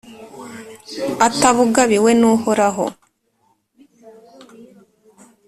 atabugabiwe n’Uhoraho